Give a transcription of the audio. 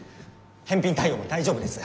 返品対応も大丈夫です。